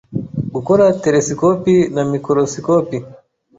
gukora teresikopi na mikorosikopi.